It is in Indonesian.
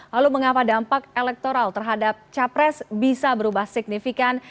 lalu mengapa dampak elektoral terhadap capres bisa berubah signifikan